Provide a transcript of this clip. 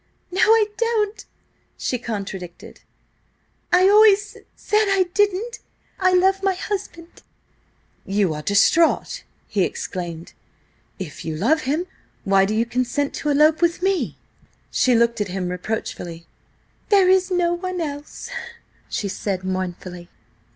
"No, I don't!" she contradicted. "I always s said I d didn't. I love my husband!" "You are distraught!" he exclaimed. "If you love him, why do you consent to elope with me?" She looked at him reproachfully. "There is no one else," she said mournfully.